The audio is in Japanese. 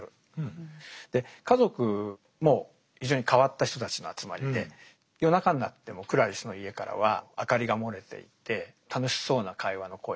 で家族も非常に変わった人たちの集まりで夜中になってもクラリスの家からは明かりが漏れていて楽しそうな会話の声が。